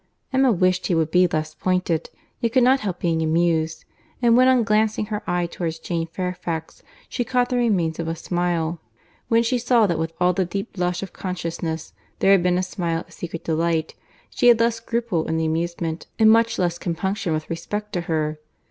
Emma wished he would be less pointed, yet could not help being amused; and when on glancing her eye towards Jane Fairfax she caught the remains of a smile, when she saw that with all the deep blush of consciousness, there had been a smile of secret delight, she had less scruple in the amusement, and much less compunction with respect to her.